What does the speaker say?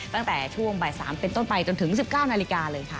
ตั้งแต่ช่วงบ่าย๓เป็นต้นไปจนถึง๑๙นาฬิกาเลยค่ะ